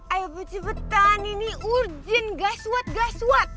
ayo peci petan ini urjin gaswat gaswat